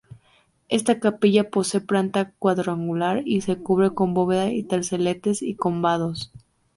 Esta capilla posee planta cuadrangular y se cubre con bóveda de terceletes y combados.